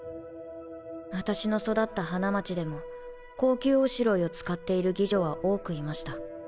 私の育った花街でも高級おしろいを使っている妓女は多くいました。